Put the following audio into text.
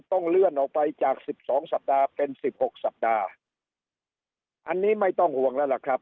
ต้องเลื่อนออกไปจากสิบสองสัปดาห์เป็นสิบหกสัปดาห์อันนี้ไม่ต้องห่วงแล้วล่ะครับ